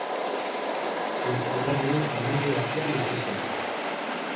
Funtzionarioen familia batean hezi zen.